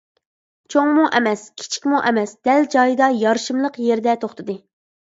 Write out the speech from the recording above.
چوڭمۇ ئەمەس، كىچىكمۇ ئەمەس دەل جايىدا يارىشىملىق يېرىدە توختىدى.